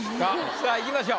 さあいきましょう。